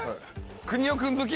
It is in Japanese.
『くにおくん』好き。